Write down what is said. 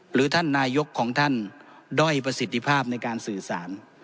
หรือท่านนายกของท่านด้อยประสิทธิภาพในการสื่อสาร